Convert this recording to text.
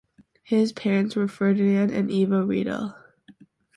His parents were Ferdinand and Eva Riedel.